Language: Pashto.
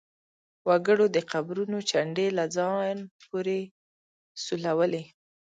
وګړو د قبرونو چنډې له ځان پورې سولولې.